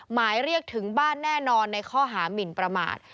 หมายเรียกถึงบ้านแน่นอนในข้อหามินประมาท